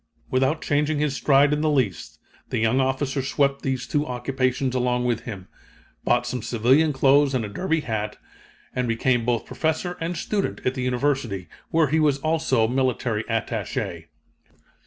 Without changing his stride in the least, the young officer swept these two occupations along with him, bought some civilian clothes and a derby hat, and became both professor and student in the University, where he was also military attaché.